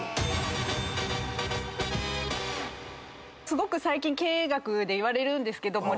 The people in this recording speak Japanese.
すごく最近経営学でいわれるんですけども。